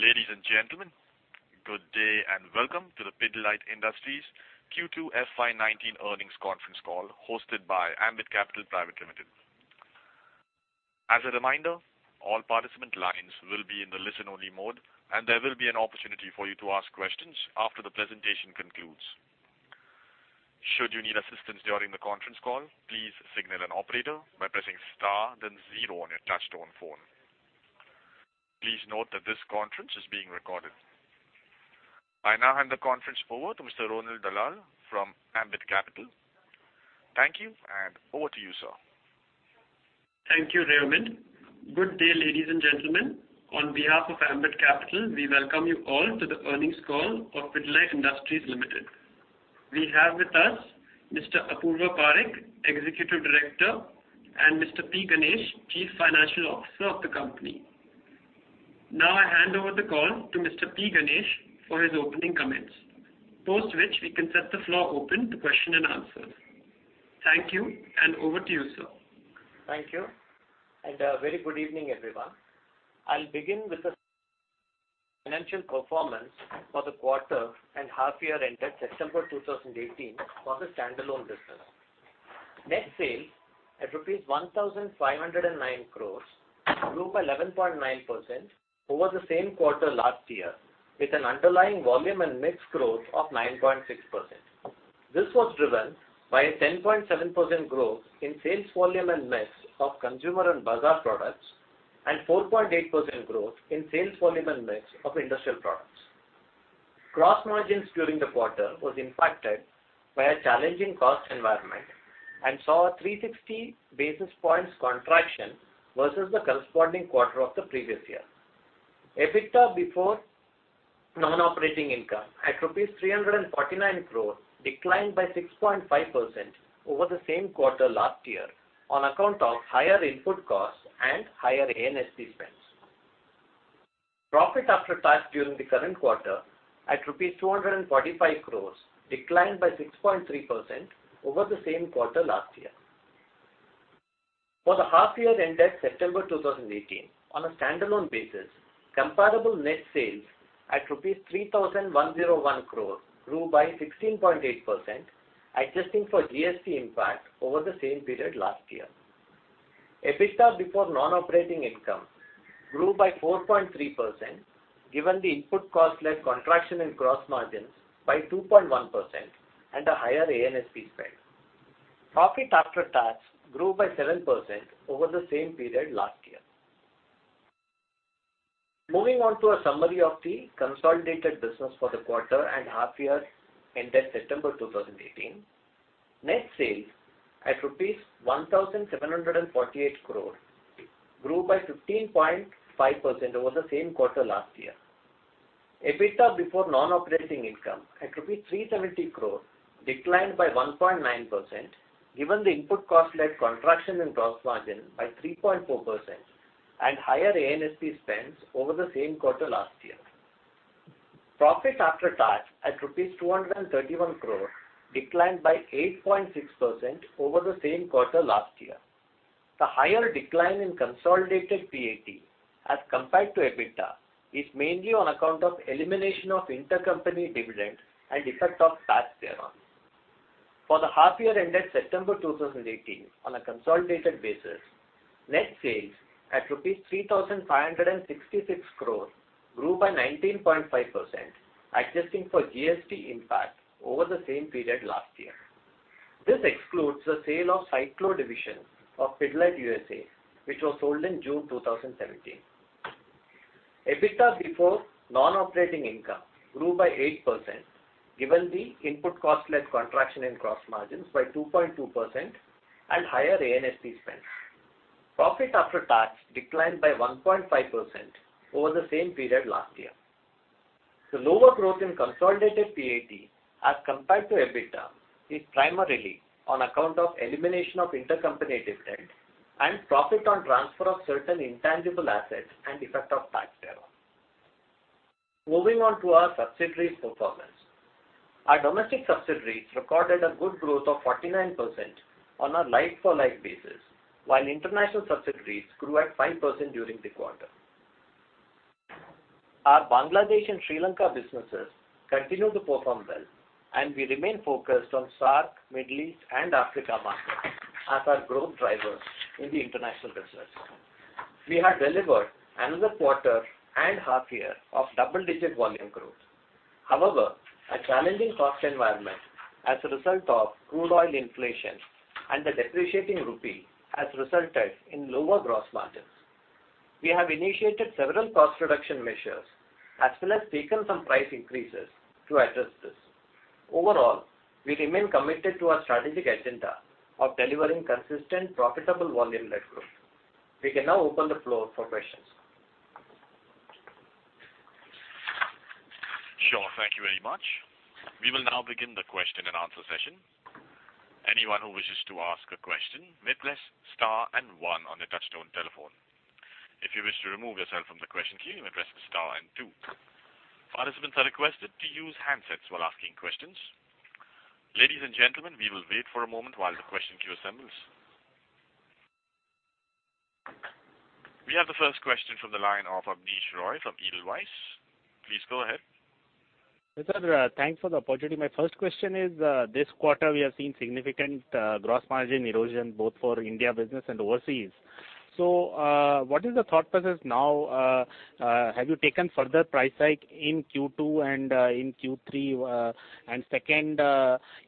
Ladies and gentlemen, good day and welcome to the Pidilite Industries Q2 FY 2019 earnings conference call hosted by Ambit Capital Private Limited. As a reminder, all participant lines will be in the listen only mode, and there will be an opportunity for you to ask questions after the presentation concludes. Should you need assistance during the conference call, please signal an operator by pressing star, then zero on your touchtone phone. Please note that this conference is being recorded. I now hand the conference forward to Mr. Ronil Dalal from Ambit Capital. Thank you, over to you, sir. Thank you, Raymond. Good day, ladies and gentlemen. On behalf of Ambit Capital, we welcome you all to the earnings call of Pidilite Industries Limited. We have with us Mr. Apurva Parekh, Executive Director, and Mr. P. Ganesh, Chief Financial Officer of the company. Now I hand over the call to Mr. P. Ganesh for his opening comments. Post which, we can set the floor open to question and answer. Thank you, over to you, sir. Thank you. A very good evening, everyone. I'll begin with the financial performance for the quarter and half year ended September 2018 for the standalone business. Net sales at rupees 1,509 crores grew by 11.9% over the same quarter last year, with an underlying volume and mix growth of 9.6%. This was driven by a 10.7% growth in sales volume and mix of consumer and bazaar products, and 4.8% growth in sales volume and mix of industrial products. Gross margins during the quarter was impacted by a challenging cost environment and saw a 360 basis points contraction versus the corresponding quarter of the previous year. EBITDA before non-operating income at 349 crores declined by 6.5% over the same quarter last year on account of higher input costs and higher A&SP spends. Profit after tax during the current quarter at rupees 245 crores declined by 6.3% over the same quarter last year. For the half year ended September 2018, on a standalone basis, comparable net sales at 3,101 crores rupees grew by 16.8%, adjusting for GST impact over the same period last year. EBITDA before non-operating income grew by 4.3%, given the input cost-led contraction in gross margins by 2.1% and a higher A&SP spend. Profit after tax grew by 7% over the same period last year. Moving on to a summary of the consolidated business for the quarter and half year ended September 2018. Net sales at INR 1,748 crores grew by 15.5% over the same quarter last year. EBITDA before non-operating income at rupees 370 crore declined by 1.9%, given the input cost-led contraction in gross margin by 3.4% and higher A&SP spends over the same quarter last year. Profit after tax at rupees 231 crore declined by 8.6% over the same quarter last year. The higher decline in consolidated PAT as compared to EBITDA is mainly on account of elimination of intercompany dividends and effect of tax thereon. For the half year ended September 2018, on a consolidated basis, net sales at INR 3,566 crore grew by 19.5%, adjusting for GST impact over the same period last year. This excludes the sale of Siteco division of Pidilite USA, which was sold in June 2017. EBITDA before non-operating income grew by 8%, given the input cost-led contraction in gross margins by 2.2% and higher A&SP spends. Profit after tax declined by 1.5% over the same period last year. The lower growth in consolidated PAT as compared to EBITDA is primarily on account of elimination of intercompany dividend and profit on transfer of certain intangible assets and effect of tax thereon. Moving on to our subsidiaries performance. Our domestic subsidiaries recorded a good growth of 49% on a like-for-like basis, while international subsidiaries grew at 5% during the quarter. Our Bangladesh and Sri Lanka businesses continue to perform well, and we remain focused on SAARC, Middle East, and Africa markets as our growth drivers in the international business. We have delivered another quarter and half year of double-digit volume growth. However, a challenging cost environment as a result of crude oil inflation and the depreciating rupee has resulted in lower gross margins. We have initiated several cost reduction measures as well as taken some price increases to address this. Overall, we remain committed to our strategic agenda of delivering consistent, profitable volume-led growth. We can now open the floor for questions. Thank you very much. We will now begin the question and answer session. Anyone who wishes to ask a question may press star and one on their touchtone telephone. If you wish to remove yourself from the question queue, you may press star and two. Participants are requested to use handsets while asking questions. Ladies and gentlemen, we will wait for a moment while the question queue assembles. We have the first question from the line of Abneesh Roy from Edelweiss. Please go ahead. Sir, thanks for the opportunity. My first question is, this quarter we have seen significant gross margin erosion both for India business and overseas. What is the thought process now? Have you taken further price hike in Q2 and in Q3? Second,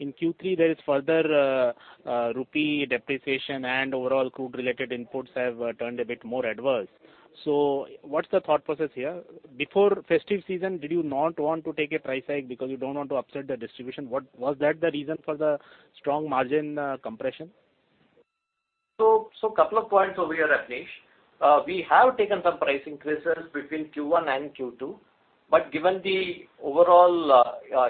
in Q3 there is further rupee depreciation and overall crude-related imports have turned a bit more adverse. What is the thought process here? Before festive season, did you not want to take a price hike because you don't want to upset the distribution? Was that the reason for the strong margin compression? Couple of points over here, Abneesh. We have taken some price increases between Q1 and Q2. Given the overall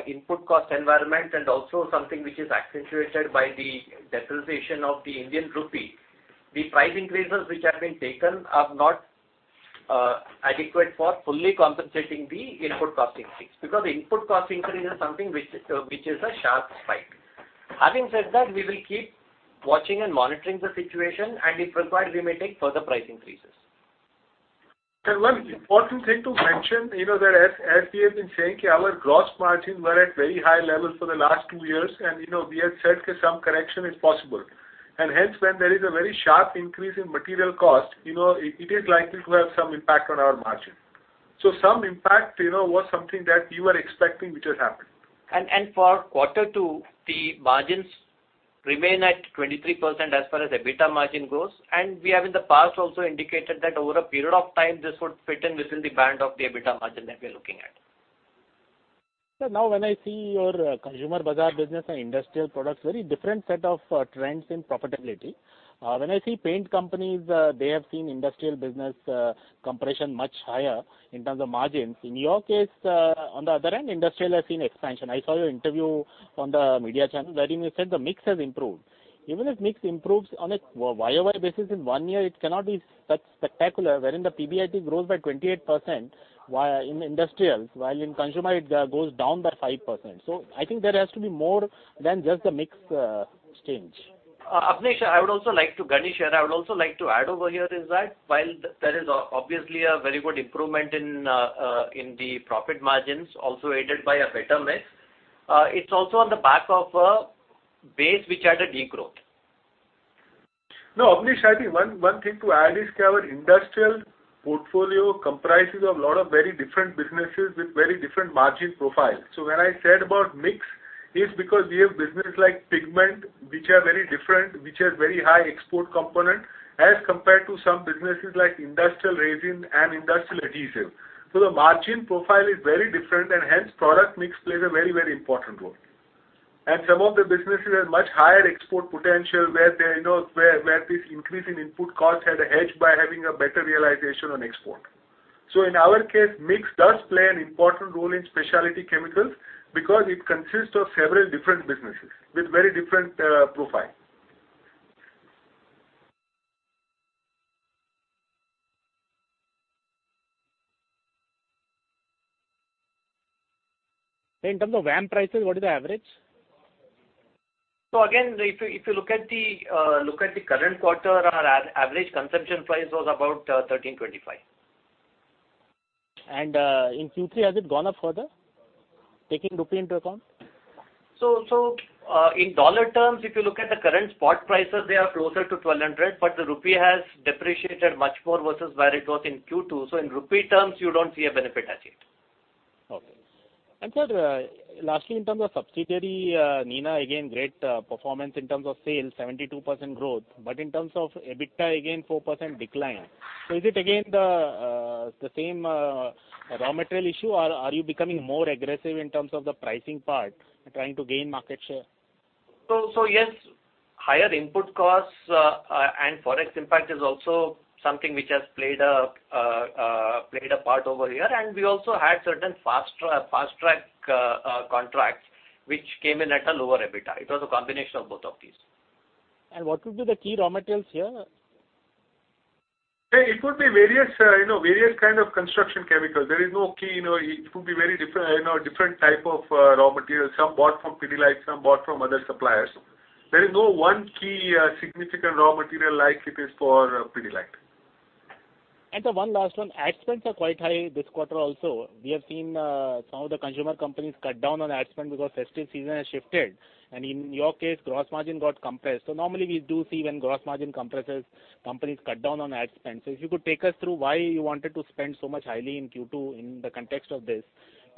input cost environment and also something which is accentuated by the depreciation of the Indian rupee, the price increases which have been taken are not adequate for fully compensating the input cost increase. The input cost increase is something which is a sharp spike. Having said that, we will keep watching and monitoring the situation, and if required, we may take further price increases. One important thing to mention, as we have been saying, our gross margins were at very high levels for the last two years. We had said some correction is possible. Hence, when there is a very sharp increase in material cost, it is likely to have some impact on our margin. Some impact was something that we were expecting, which has happened. For quarter two, the margins remain at 23% as far as EBITDA margin goes. We have in the past also indicated that over a period of time, this would fit in within the band of the EBITDA margin that we're looking at. Sir, when I see your consumer bazaar business and industrial products, very different set of trends in profitability. When I see paint companies, they have seen industrial business compression much higher in terms of margins. In your case, on the other end, industrial has seen expansion. I saw your interview on the media channel, wherein you said the mix has improved. Even if mix improves on a year-over-year basis in one year, it cannot be that spectacular. Wherein the PBIT grows by 28% in industrials, while in consumer it goes down by 5%. I think there has to be more than just the mix change. Abneesh, Ganesh here, I would also like to add over here is that while there is obviously a very good improvement in the profit margins also aided by a better mix, it's also on the back of a base which had a degrowth. Abneesh, I think one thing to add is our industrial portfolio comprises of lot of very different businesses with very different margin profiles. When I said about mix, is because we have business like pigment, which are very different, which has very high export component as compared to some businesses like industrial resin and industrial adhesive. The margin profile is very different, and hence product mix plays a very important role. Some of the businesses have much higher export potential where this increase in input cost had a hedge by having a better realization on export. In our case, mix does play an important role in specialty chemicals because it consists of several different businesses with very different profile. In terms of VAM prices, what is the average? Again, if you look at the current quarter, our average consumption price was about $1,325. In Q3, has it gone up further? Taking rupee into account. In dollar terms, if you look at the current spot prices, they are closer to $1,200, the rupee has depreciated much more versus where it was in Q2. In rupee terms, you don't see a benefit as yet. Okay. Sir, lastly, in terms of subsidiary, Nina, again, great performance in terms of sales, 72% growth. In terms of EBITDA, again, 4% decline. Is it again the same raw material issue, or are you becoming more aggressive in terms of the pricing part and trying to gain market share? Yes, higher input costs and Forex impact is also something which has played a part over here, and we also had certain fast-track contracts which came in at a lower EBITDA. It was a combination of both of these. What would be the key raw materials here? It would be various kind of construction chemicals. There is no key. It could be very different type of raw materials, some bought from Pidilite, some bought from other suppliers. There is no one key significant raw material like it is for Pidilite. Sir, one last one. Ad spends are quite high this quarter also. We have seen some of the consumer companies cut down on ad spend because festive season has shifted. In your case, gross margin got compressed. Normally we do see when gross margin compresses, companies cut down on ad spend. If you could take us through why you wanted to spend so much highly in Q2 in the context of this.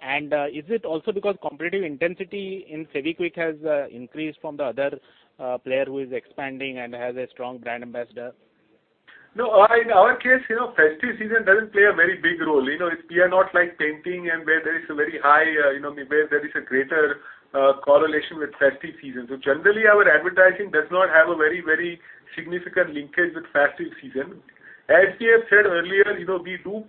Is it also because competitive intensity in Fevikwik has increased from the other player who is expanding and has a strong brand ambassador? In our case, festive season doesn't play a very big role. We are not like painting where there is a greater correlation with festive season. Generally, our advertising does not have a very significant linkage with festive season. As we have said earlier, we do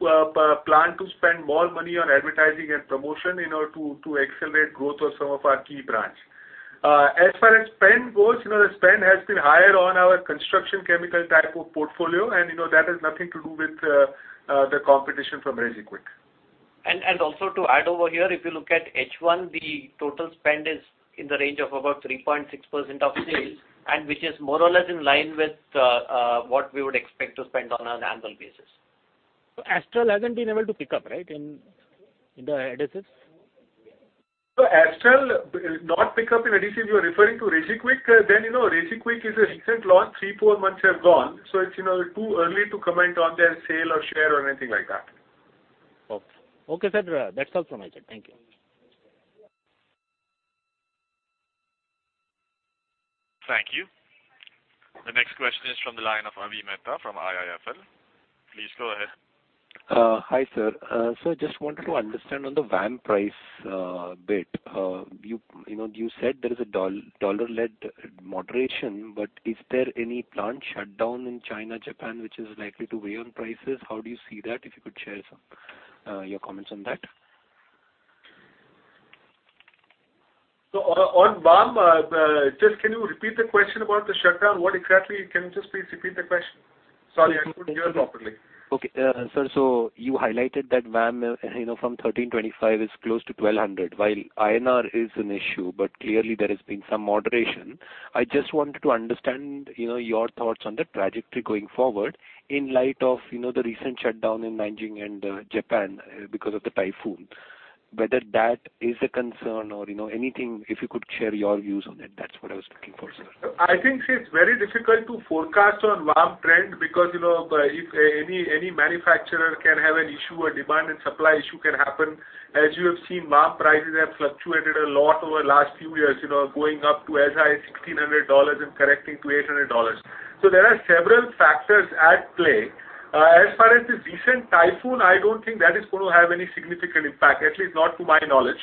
plan to spend more money on advertising and promotion in order to accelerate growth of some of our key brands. As far as spend goes, the spend has been higher on our construction chemical type of portfolio, and that has nothing to do with the competition from ResiQuick. Also to add over here, if you look at H1, the total spend is in the range of about 3.6% of sales, which is more or less in line with what we would expect to spend on an annual basis. Astral hasn't been able to pick up, right? In the adhesives. Astral, not pick up in adhesive, you're referring to ResiQuick. ResiQuick is a recent launch. Three, four months have gone. It's too early to comment on their sale or share or anything like that. Okay. Okay, sir. That's all from my side. Thank you. Thank you. The next question is from the line of Avi Mehta from IIFL. Please go ahead. Hi, sir. Sir, just wanted to understand on the VAM price a bit. You said there is a dollar-led moderation, is there any plant shutdown in China, Japan, which is likely to weigh on prices? How do you see that? If you could share your comments on that. On VAM, just can you repeat the question about the shutdown? Can you just please repeat the question? Sorry, I couldn't hear properly. Okay. Sir, you highlighted that VAM, from $1,325 is close to $1,200, while INR is an issue, but clearly there has been some moderation. I just wanted to understand your thoughts on the trajectory going forward in light of the recent shutdown in Nanjing and Japan because of the typhoon. Whether that is a concern or anything, if you could share your views on it. That's what I was looking for, sir. I think it's very difficult to forecast on VAM trend, because any manufacturer can have an issue or demand and supply issue can happen. As you have seen, VAM prices have fluctuated a lot over the last few years, going up to as high as $1,600 and correcting to $800. There are several factors at play. As far as the recent typhoon, I don't think that is going to have any significant impact, at least not to my knowledge.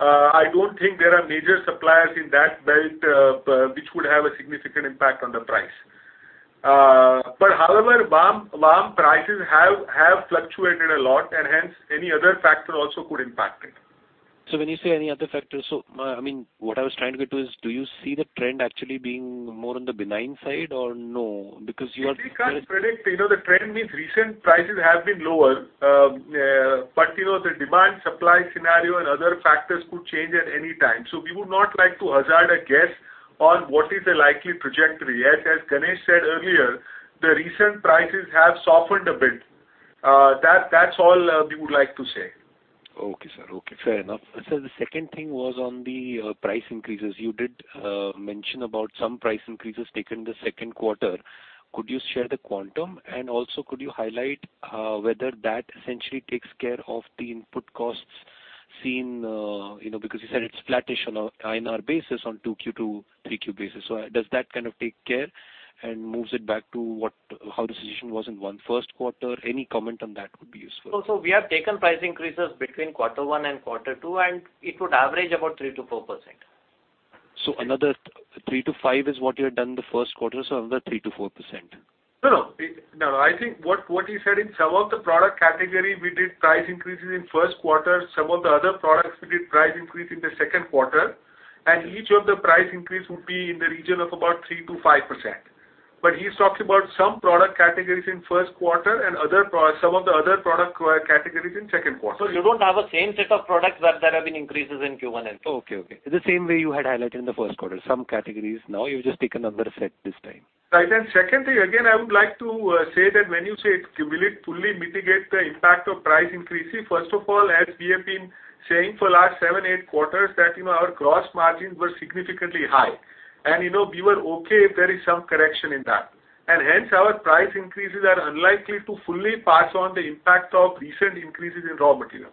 I don't think there are major suppliers in that belt, which would have a significant impact on the price. However, VAM prices have fluctuated a lot and hence any other factor also could impact it. When you say any other factors, what I was trying to get to is, do you see the trend actually being more on the benign side or no? We can't predict. The trend means recent prices have been lower. The demand-supply scenario and other factors could change at any time. We would not like to hazard a guess on what is the likely trajectory. As Ganesh said earlier, the recent prices have softened a bit. That's all we would like to say. Okay, sir. Okay, fair enough. Sir, the second thing was on the price increases. You did mention about some price increases taken in the second quarter. Could you share the quantum? Also could you highlight whether that essentially takes care of the input costs seen, because you said it's flattish on INR basis on 2Q to 3Q basis. Does that kind of take care and moves it back to how the situation was in first quarter? Any comment on that would be useful. We have taken price increases between quarter one and quarter two, and it would average about 3%-4%. Another 3%-5% is what you had done in the first quarter, another 3%-4%. No, no. I think what he said, in some of the product category, we did price increases in first quarter. Some of the other products, we did price increase in the second quarter. Each of the price increase would be in the region of about 3%-5%. He's talking about some product categories in first quarter and some of the other product categories in second quarter. You don't have a same set of products where there have been increases in Q1 and Q2. Okay. In the same way you had highlighted in the first quarter, some categories. You've just taken another set this time. Right. Second thing, again, I would like to say that when you say will it fully mitigate the impact of price increases, first of all, as we have been saying for last seven, eight quarters, that our gross margins were significantly high. We were okay if there is some correction in that. Hence our price increases are unlikely to fully pass on the impact of recent increases in raw material.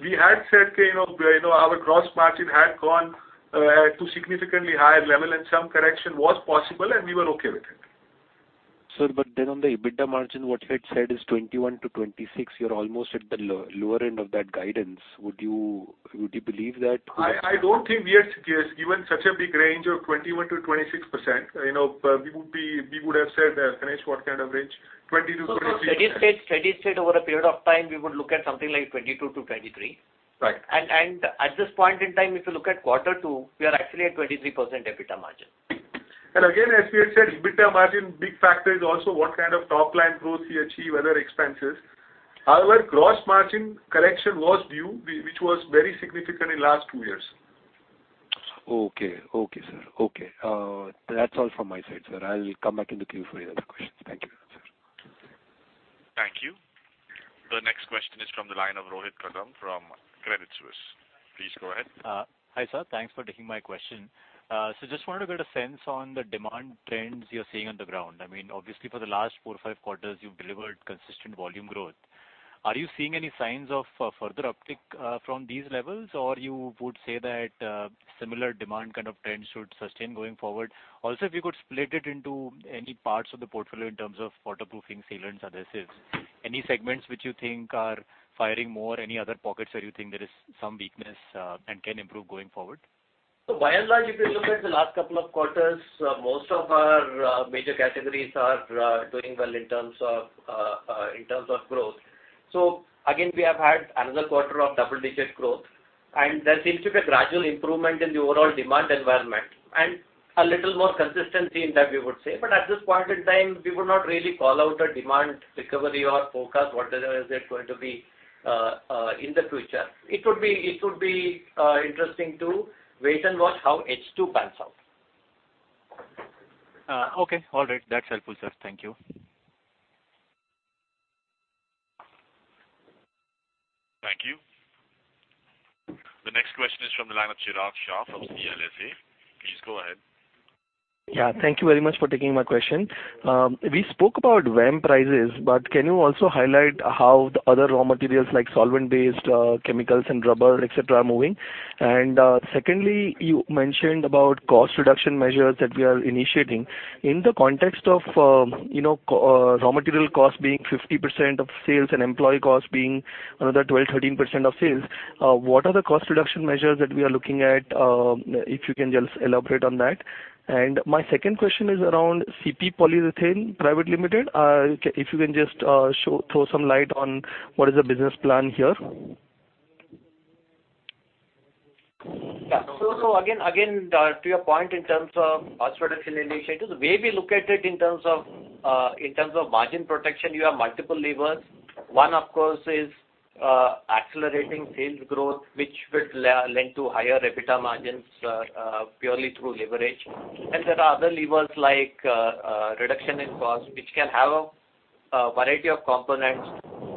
We had said our gross margin had gone to significantly higher level and some correction was possible, and we were okay with it. Sir, on the EBITDA margin, what you had said is 21%-26%. You're almost at the lower end of that guidance. Would you believe that. I don't think we had given such a big range of 21%-26%. We would have said, Ganesh, what kind of range? 20%-23%. Steady state over a period of time, we would look at something like 22%-23%. Right. At this point in time, if you look at quarter two, we are actually at 23% EBITDA margin. Again, as we had said, EBITDA margin, big factor is also what kind of top-line growth we achieve, other expenses. Our gross margin correction was due, which was very significant in last two years. Okay. Okay, sir. Okay. That's all from my side, sir. I'll come back in the queue for any other questions. Thank you. Thank you. The next question is from the line of Rohit Kadam from Credit Suisse. Please go ahead. Hi, sir. Thanks for taking my question. Sir, just wanted to get a sense on the demand trends you're seeing on the ground. Obviously for the last four or five quarters, you've delivered consistent volume growth. Are you seeing any signs of further uptick from these levels? Or you would say that similar demand kind of trends should sustain going forward? Also, if you could split it into any parts of the portfolio in terms of waterproofing, sealants, adhesives. Any segments which you think are firing more? Any other pockets where you think there is some weakness and can improve going forward? By and large, if you look at the last couple of quarters, most of our major categories are doing well in terms of growth. Again, we have had another quarter of double-digit growth. There seems to be a gradual improvement in the overall demand environment and a little more consistency in that, we would say. At this point in time, we would not really call out a demand recovery or forecast whatever is it going to be in the future. It would be interesting to wait and watch how H2 pans out. Okay. All right. That's helpful, sir. Thank you. Thank you. The next question is from the line of Chirag Shah from CLSA. Please go ahead. Yeah. Thank you very much for taking my question. We spoke about VAM prices, but can you also highlight how the other raw materials like solvent-based chemicals and rubber, et cetera, are moving? Secondly, you mentioned about cost reduction measures that we are initiating. In the context of raw material cost being 50% of sales and employee cost being another 12%-13% of sales, what are the cost reduction measures that we are looking at, if you can just elaborate on that? My second question is around CIPY Polyurethanes Pvt. Ltd.. If you can just throw some light on what is the business plan here. Yeah. Again, to your point in terms of cost reduction initiatives, the way we look at it in terms of margin protection, you have multiple levers. One, of course, is accelerating sales growth, which will lend to higher EBITDA margins purely through leverage. There are other levers like reduction in cost, which can have a variety of components,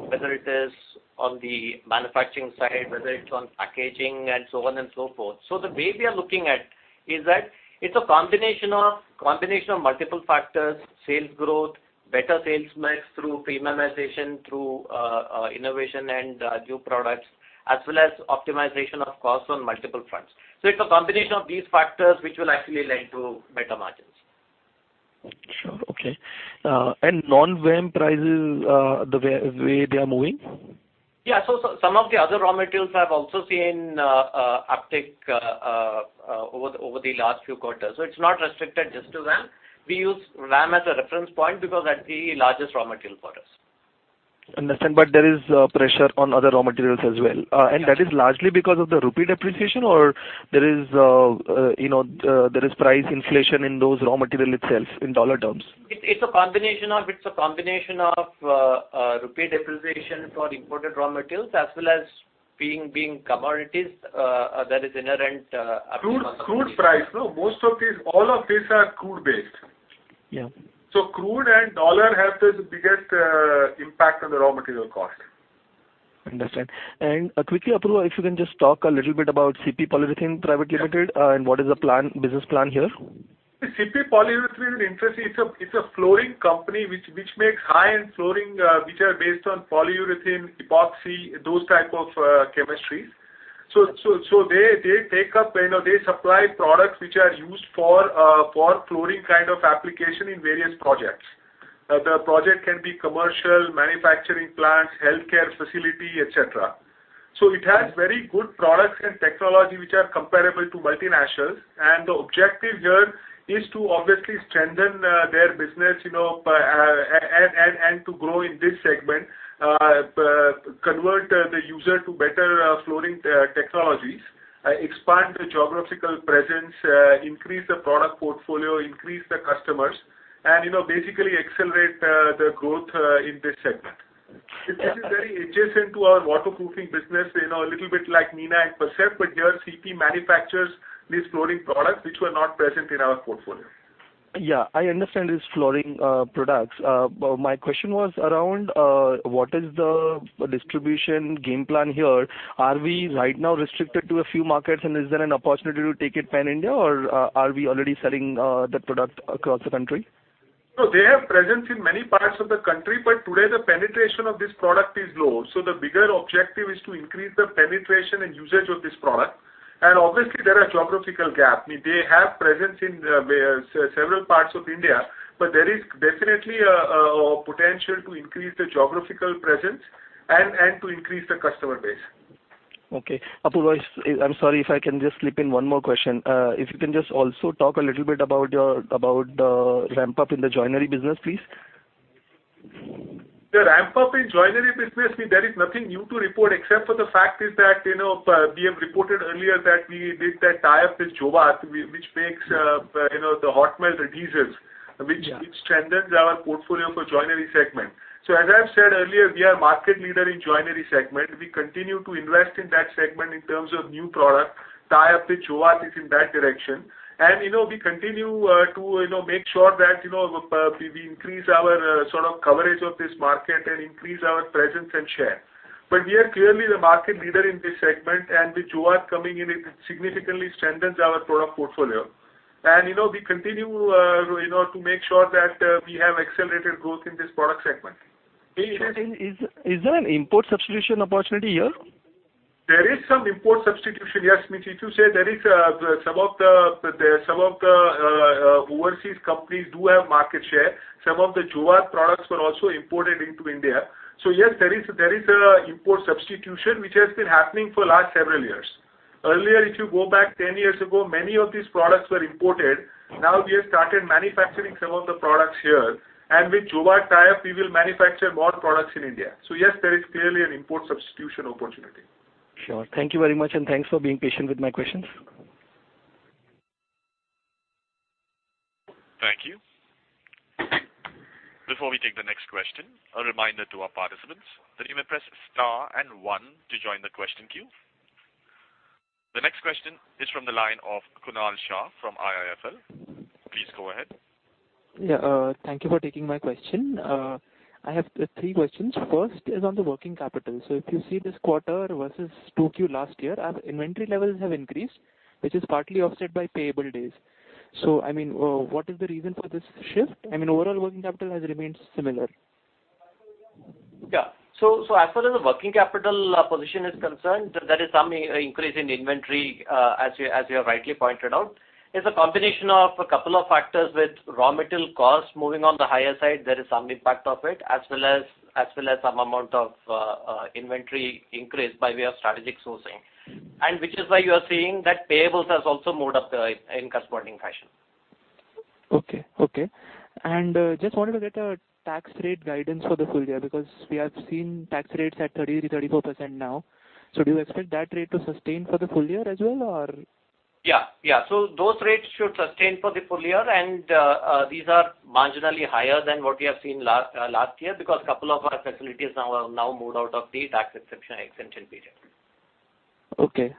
whether it is on the manufacturing side, whether it's on packaging and so on and so forth. The way we are looking at is that it's a combination of multiple factors, sales growth, better sales mix through premiumization, through innovation and new products, as well as optimization of costs on multiple fronts. It's a combination of these factors which will actually lend to better margins. Sure. Okay. Non-VAM prices, the way they are moving? Yeah. Some of the other raw materials have also seen uptick over the last few quarters. It's not restricted just to VAM. We use VAM as a reference point because that's the largest raw material for us. Understand. There is pressure on other raw materials as well. Yes. That is largely because of the rupee depreciation or there is price inflation in those raw material itself in dollar terms? It's a combination of rupee depreciation for imported raw materials as well as being commodities, there is inherent uptick- Crude price. No, all of these are crude-based. Yeah. Crude and dollar have the biggest impact on the raw material cost. Understand. Quickly, Apurva, if you can just talk a little bit about CIPY Polyurethanes Pvt. Ltd. and what is the business plan here? CIPY Polyurethanes, interesting, it's a flooring company which makes high-end flooring, which are based on polyurethane, epoxy, those type of chemistries. They supply products which are used for flooring kind of application in various projects. The project can be commercial, manufacturing plants, healthcare facility, et cetera. It has very good products and technology which are comparable to multinationals. The objective here is to obviously strengthen their business and to grow in this segment, convert the user to better flooring technologies, expand the geographical presence, increase the product portfolio, increase the customers, and basically accelerate the growth in this segment. This is very adjacent to our waterproofing business, a little bit like Nina and Percept, but here CP manufactures these flooring products which were not present in our portfolio. Yeah, I understand these flooring products. My question was around what is the distribution game plan here? Are we right now restricted to a few markets and is there an opportunity to take it pan-India or are we already selling the product across the country? No, they have presence in many parts of the country, but today the penetration of this product is low. The bigger objective is to increase the penetration and usage of this product. Obviously there are geographical gap. They have presence in several parts of India, but there is definitely a potential to increase the geographical presence and to increase the customer base. Okay. Apurva, I'm sorry if I can just slip in one more question. If you can just also talk a little bit about the ramp-up in the joinery business, please. The ramp-up in joinery business, there is nothing new to report except for the fact is that we have reported earlier that we did that tie-up with Jowat which makes the hot melt adhesives, which strengthens our portfolio for joinery segment. As I've said earlier, we are market leader in joinery segment. We continue to invest in that segment in terms of new product. Tie-up with Jowat is in that direction. We continue to make sure that we increase our sort of coverage of this market and increase our presence and share. We are clearly the market leader in this segment, and with Jowat coming in, it significantly strengthens our product portfolio. We continue to make sure that we have accelerated growth in this product segment. Is there an import substitution opportunity here? There is some import substitution, yes. If you say some of the overseas companies do have market share. Some of the Jowat products were also imported into India. Yes, there is import substitution which has been happening for last several years. Earlier, if you go back 10 years ago, many of these products were imported. Now we have started manufacturing some of the products here. With Jowat tie-up, we will manufacture more products in India. Yes, there is clearly an import substitution opportunity. Sure. Thank you very much and thanks for being patient with my questions. Thank you. Before we take the next question, a reminder to our participants that you may press star and one to join the question queue. The next question is from the line of Kunal Shah from IIFL. Please go ahead. Yeah. Thank you for taking my question. I have three questions. First is on the working capital. If you see this quarter versus 2Q last year, our inventory levels have increased, which is partly offset by payable days. What is the reason for this shift? Overall working capital has remained similar. Yeah. As far as the working capital position is concerned, there is some increase in inventory, as you have rightly pointed out. It's a combination of a couple of factors with raw material costs moving on the higher side, there is some impact of it, as well as some amount of inventory increase by way of strategic sourcing. Which is why you are seeing that payables has also moved up in corresponding fashion. Okay. Just wanted to get a tax rate guidance for the full year, because we have seen tax rates at 30%-34% now. Do you expect that rate to sustain for the full year as well? Yeah. Those rates should sustain for the full year and these are marginally higher than what we have seen last year because couple of our facilities have now moved out of the tax exemption period. Okay.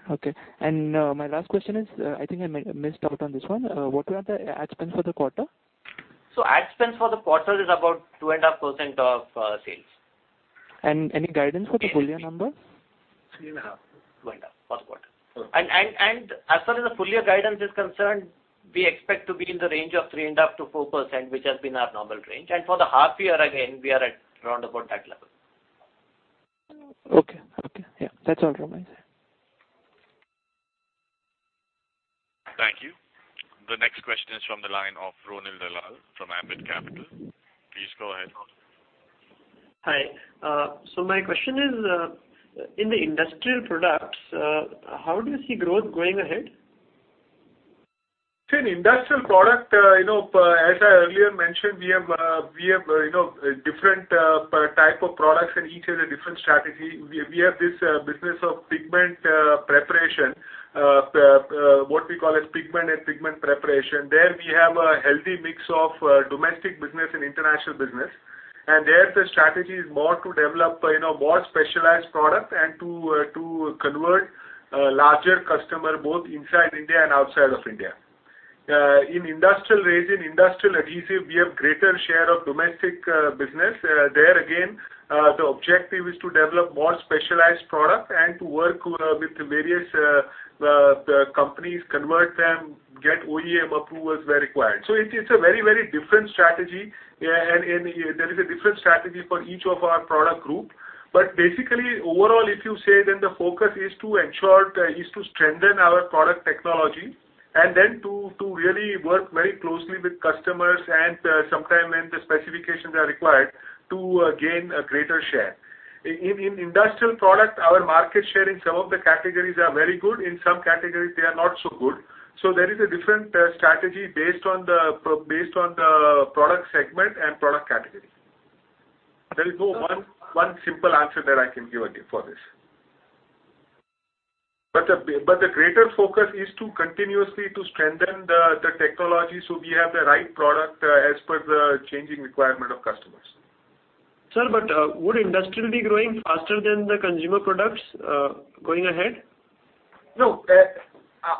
My last question is, I think I missed out on this one. What were the ad spends for the quarter? Ad spends for the quarter is about 2.5% of sales. Any guidance for the full year numbers? Two and a half for the quarter. Okay. As far as the full year guidance is concerned, we expect to be in the range of 3.5%-4%, which has been our normal range. For the half year again, we are at around about that level. Okay. Yeah. That's all from my side. Thank you. The next question is from the line of Ronil Dalal from Ambit Capital. Please go ahead. Hi. My question is, in the industrial products, how do you see growth going ahead? In industrial product, as I earlier mentioned, we have different type of products and each has a different strategy. We have this business of pigment preparation, what we call as pigment and pigment preparation. There we have a healthy mix of domestic business and international business. There, the strategy is more to develop more specialized product and to convert larger customer, both inside India and outside of India. In industrial resin, industrial adhesive, we have greater share of domestic business. There again, the objective is to develop more specialized product and to work with various companies, convert them, get OEM approvals where required. It's a very different strategy, and there is a different strategy for each of our product group. Basically, overall if you say, then the focus is to strengthen our product technology and then to really work very closely with customers and sometimes when the specifications are required, to gain a greater share. In industrial product, our market share in some of the categories are very good. In some categories, they are not so good. There is a different strategy based on the product segment and product category. There is no one simple answer that I can give you for this. The greater focus is to continuously strengthen the technology so we have the right product as per the changing requirement of customers. Sir, would industrial be growing faster than the consumer products going ahead? No.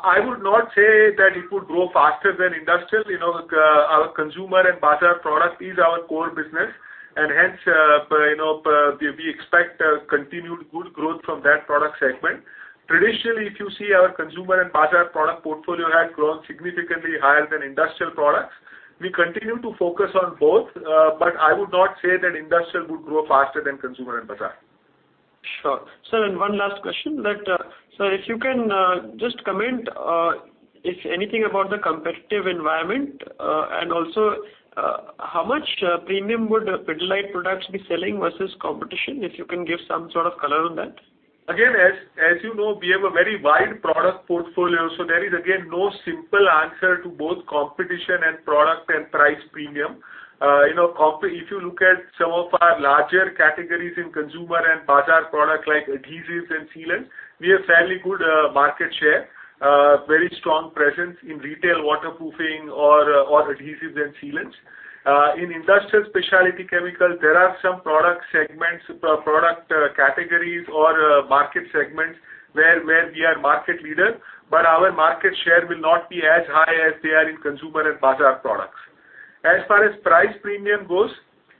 I would not say that it would grow faster than industrial. Our consumer and bazaar product is our core business, hence, we expect continued good growth from that product segment. Traditionally, if you see our consumer and bazaar product portfolio had grown significantly higher than industrial products. We continue to focus on both, I would not say that industrial would grow faster than consumer and bazaar. Sure. Sir, one last question. Sir, if you can just comment, if anything about the competitive environment, also how much premium would Pidilite products be selling versus competition, if you can give some sort of color on that? Again, as you know, we have a very wide product portfolio, there is again, no simple answer to both competition and product and price premium. If you look at some of our larger categories in consumer and bazaar product like adhesives and sealants, we have fairly good market share, very strong presence in retail waterproofing or adhesives and sealants. In industrial specialty chemical, there are some product segments, product categories or market segments where we are market leader, our market share will not be as high as they are in consumer and bazaar products. As far as price premium goes,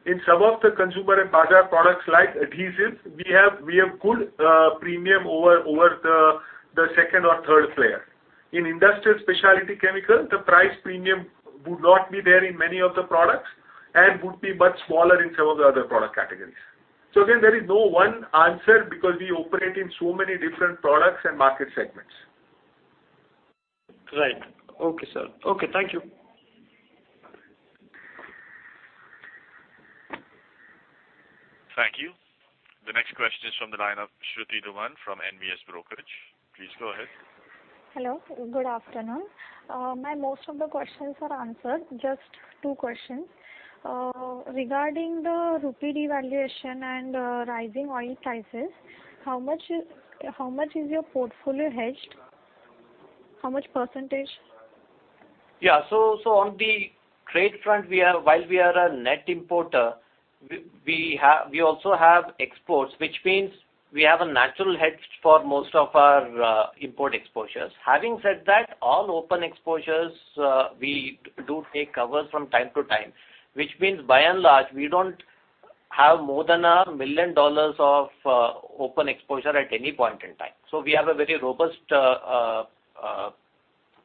in some of the consumer and bazaar products like adhesives, we have good premium over the second or third player. In industrial specialty chemical, the price premium would not be there in many of the products and would be much smaller in some of the other product categories. Again, there is no one answer because we operate in so many different products and market segments. Right. Okay, sir. Okay. Thank you. Thank you. The next question is from the line of Shruti Dhumal from NVS Brokerage. Please go ahead. Hello, good afternoon. My most of the questions are answered, just two questions regarding the rupee devaluation and rising oil prices, how much is your portfolio hedged? How much percentage? Yeah. On the trade front, while we are a net importer, we also have exports, which means we have a natural hedge for most of our import exposures. Having said that, all open exposures, we do take covers from time to time, which means by and large, we don't have more than $1 million of open exposure at any point in time. We have a very robust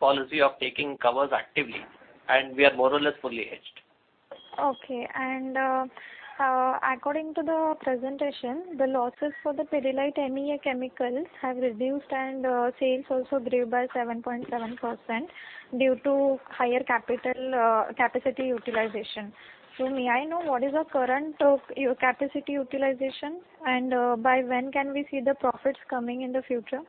policy of taking covers actively, and we are more or less fully hedged. Okay. According to the presentation, the losses for the Pidilite MEA Chemicals have reduced and sales also grew by 7.7% due to higher capacity utilization. May I know what is the current capacity utilization, and by when can we see the profits coming in the future?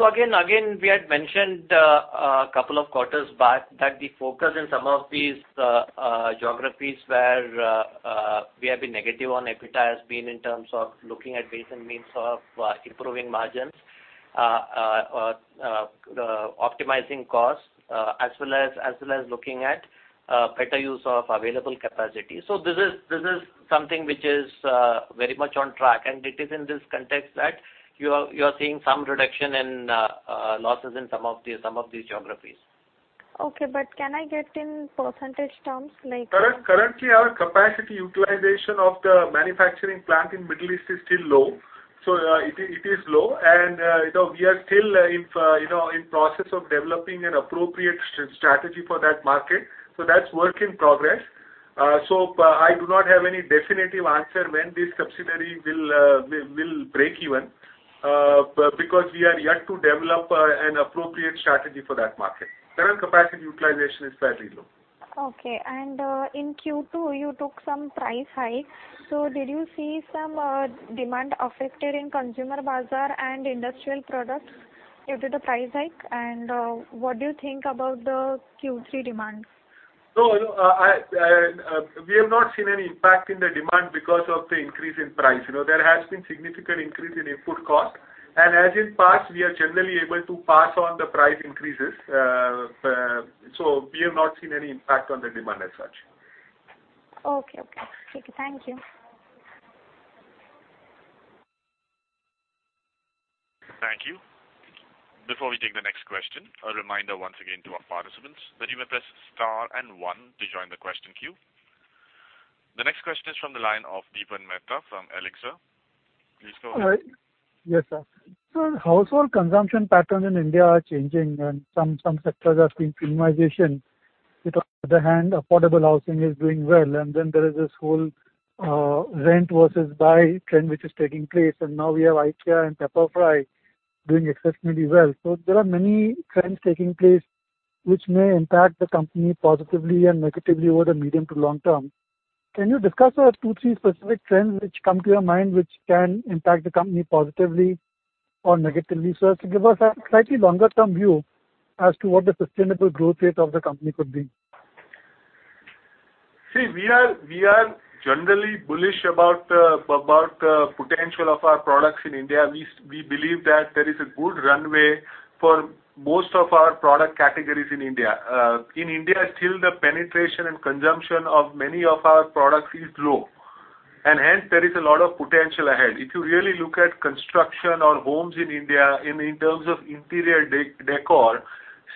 Again, we had mentioned a couple of quarters back that the focus in some of these geographies where we have been negative on EBITDA has been in terms of looking at ways and means of improving margins, optimizing costs, as well as looking at better use of available capacity. This is something which is very much on track, and it is in this context that you're seeing some reduction in losses in some of these geographies. Okay. Can I get in percentage terms? Currently, our capacity utilization of the manufacturing plant in Middle East is still low. It is low, and we are still in process of developing an appropriate strategy for that market. That's work in progress. I do not have any definitive answer when this subsidiary will break even, because we are yet to develop an appropriate strategy for that market. Current capacity utilization is fairly low. Okay. In Q2, you took some price hike. Did you see some demand affected in consumer bazaar and industrial products due to the price hike? What do you think about the Q3 demand? No, we have not seen any impact in the demand because of the increase in price. There has been significant increase in input cost, and as in past, we are generally able to pass on the price increases. We have not seen any impact on the demand as such. Okay. Thank you. Thank you. Before we take the next question, a reminder once again to our participants that you may press star and one to join the question queue. The next question is from the line of Dipan Mehta from Elixir. Please go ahead. Yes, sir. Sir, household consumption pattern in India are changing. Some sectors are seeing premiumization. On the other hand, affordable housing is doing well. There is this whole rent versus buy trend which is taking place. Now we have IKEA and Pepperfry doing exceptionally well. There are many trends taking place which may impact the company positively and negatively over the medium to long term. Can you discuss two, three specific trends which come to your mind which can impact the company positively or negatively, so as to give us a slightly longer term view as to what the sustainable growth rate of the company could be? We are generally bullish about the potential of our products in India. We believe that there is a good runway for most of our product categories in India. In India, still the penetration and consumption of many of our products is low. Hence there is a lot of potential ahead. If you really look at construction or homes in India, in terms of interior décor,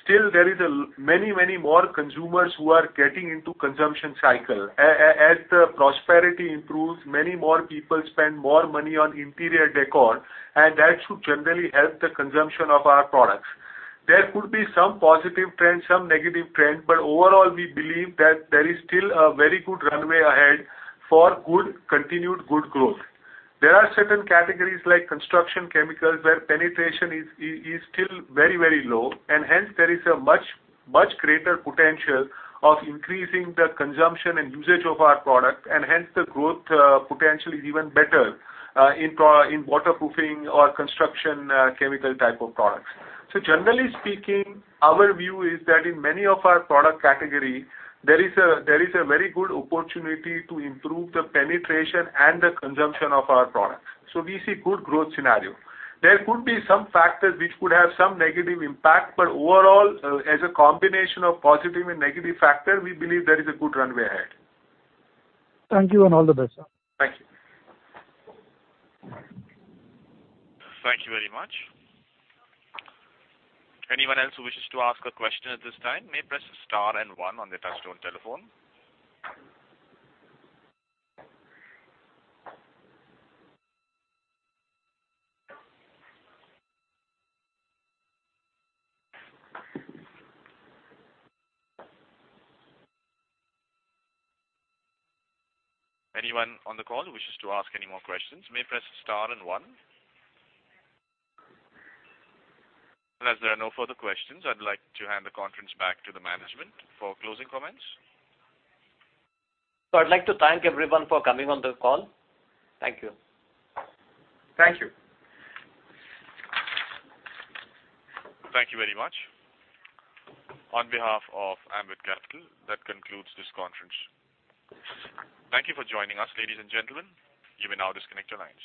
still there is many more consumers who are getting into consumption cycle. As the prosperity improves, many more people spend more money on interior décor. That should generally help the consumption of our products. There could be some positive trends, some negative trends, but overall, we believe that there is still a very good runway ahead for continued good growth. There are certain categories like construction chemicals, where penetration is still very low. Hence there is a much greater potential of increasing the consumption and usage of our product. Hence the growth potential is even better in waterproofing or construction chemical type of products. Generally speaking, our view is that in many of our product category, there is a very good opportunity to improve the penetration and the consumption of our products. We see good growth scenario. There could be some factors which could have some negative impact, but overall, as a combination of positive and negative factor, we believe there is a good runway ahead. Thank you and all the best. Thank you. Thank you very much. Anyone else who wishes to ask a question at this time may press star and one on their touch-tone telephone. Anyone on the call who wishes to ask any more questions may press star and one. As there are no further questions, I'd like to hand the conference back to the management for closing comments. I'd like to thank everyone for coming on the call. Thank you. Thank you. Thank you very much. On behalf of Ambit Capital, that concludes this conference. Thank you for joining us, ladies and gentlemen. You may now disconnect your lines.